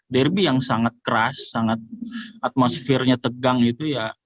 derby yang sangat keras sangat atmosfernya tegang itu ya